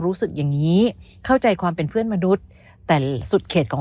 รู้สึกอย่างงี้เข้าใจความเป็นเพื่อนมนุษย์แต่สุดเขตของ